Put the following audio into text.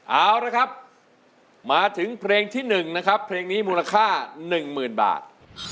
เอาละครับมาถึงเพลงที่๑นะครับเพลงนี้มูลค่า๑๐๐๐บาท